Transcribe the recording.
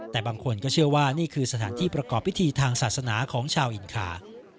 แต่บางคนก็เชื่อว่านี่คือสถานที่ประกอบพิธีทางศาสนาของชาวอินคา